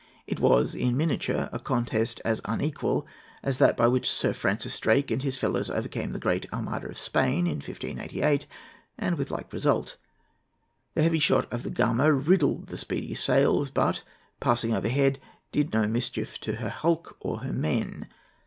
It was, in miniature, a contest as unequal as that by which Sir Francis Drake and his fellows overcame the Great Armada of Spain in 1588, and with like result. The heavy shot of the Gamo riddled the Speedy's sails, but, passing overhead, did no mischief to her hulk or her men.